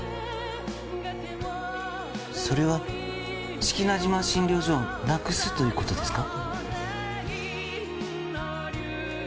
それは志木那島診療所をなくすということですか。